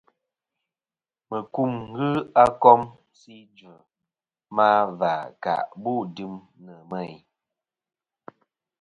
Mukum ghɨ a kom kɨ si idvɨ ma và kà bu dɨm nɨ̀ meyn.